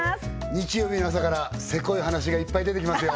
日曜日の朝からセコい話がいっぱい出てきますよ